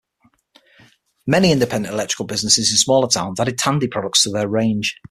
Many independent electrical businesses in smaller towns added Tandy products to their range.